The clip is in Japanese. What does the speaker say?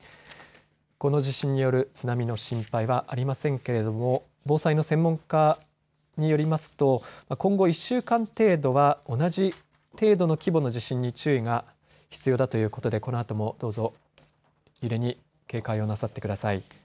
この地震による津波の心配はありませんけれども防災の専門家によりますと今後１週間程度は同じ程度の規模の地震に注意が必要だということでこのあともどうぞ揺れに警戒をなさってください。